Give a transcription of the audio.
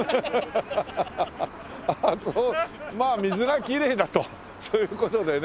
まあ水がきれいだとそういう事でね。